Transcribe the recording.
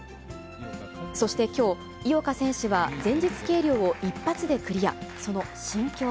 そしてきょう、井岡選手は前日計量を一発でクリア。